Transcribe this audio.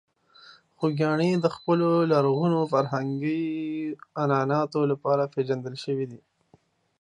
خوږیاڼي د خپلو لرغونو فرهنګونو او عنعناتو لپاره پېژندل شوې ده.